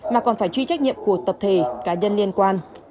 mà còn phải truy trách nhiệm của tập thể cá nhân liên quan